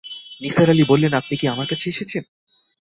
নিসার আলি বললেন, আপনি কি আমার কাছে এসেছেন?